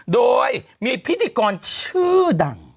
โดยมีพิธีกรชื่อดัง